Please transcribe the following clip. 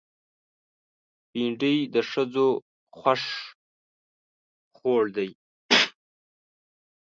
بېنډۍ د ښځو خوښ خوړ دی